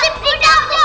hantu aja kita yang bikin